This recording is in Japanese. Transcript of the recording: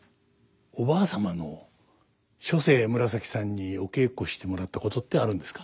おばあ様の初世紫さんにお稽古してもらったことってあるんですか？